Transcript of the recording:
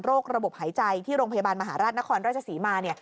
ระบบหายใจที่โรงพยาบาลมหาราชนครราชศรีมา